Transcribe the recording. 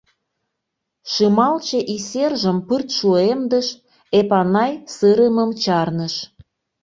Шымалче «исержым» пырт шуэмдыш, Эпанай сырымым чарныш.